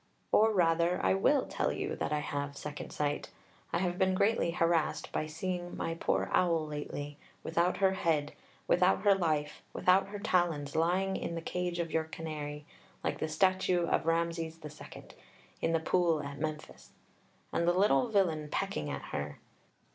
Or rather I will tell you that I have second sight. I have been greatly harassed by seeing my poor owl lately, without her head, without her life, without her talons, lying in the cage of your canary (like the statue of Rameses II. in the pool at Memphis), and the little villain pecking at her.